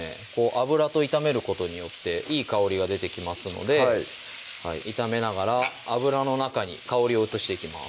油と炒めることによっていい香りが出てきますので炒めながら油の中に香りを移していきます